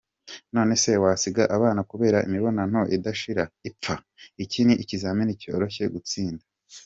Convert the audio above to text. none se wasiga abana kubera imibonano idashira ipfa? iki ni ikizamini cyoroshye gutsinda.